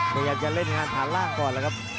พยายามจะเล่นงานฐานร่างก่อน